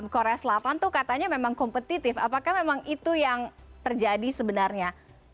korea selatan tuh katanya memang kompetitif apakah memang itu yang terjadi sebenarnya